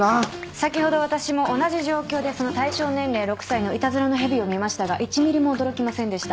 先ほど私も同じ状況でその対象年齢６歳のいたずらの蛇を見ましたが１ｍｍも驚きませんでした。